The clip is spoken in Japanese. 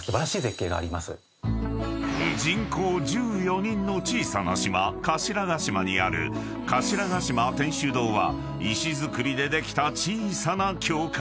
［人口１４人の小さな島頭ヶ島にある頭ヶ島天主堂は石造りでできた小さな教会］